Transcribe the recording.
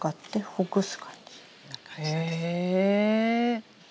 へえ。